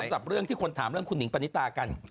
สำหรับเรื่องที่คนถามเรื่องคุณหิงปณิตากัน